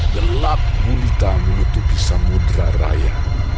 gelap gulita menutupi samudera raya